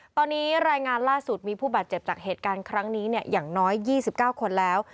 ตอนนี้รายงานล่าสุดมีผู้บาดเจ็บจากเหตุการณ์ครั้งนี้อย่างน้อย๒๙คนแล้ว